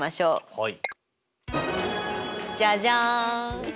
はい。